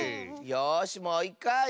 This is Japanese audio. よしもういっかい！